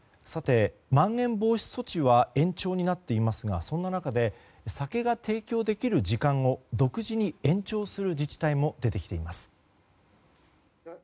まん延防止措置は延長になっていますがそんな中で酒が提供できる時間を独自に延長する自治体も出てきています。